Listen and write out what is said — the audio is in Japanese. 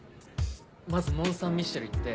まずモンサンミッシェル行って。